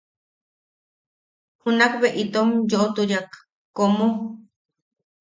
Junakbe itom yoʼoturiak como.